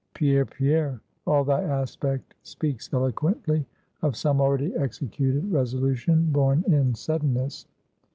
Pierre, Pierre, all thy aspect speaks eloquently of some already executed resolution, born in suddenness.